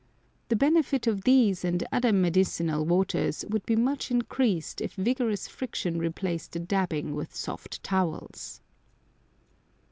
The benefit of these and other medicinal waters would be much increased if vigorous friction replaced the dabbing with soft towels.